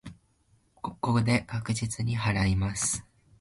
ここで確実に祓います。